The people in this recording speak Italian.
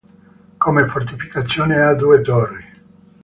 Come fortificazioni ha due torri.